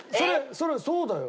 それはそうだよ。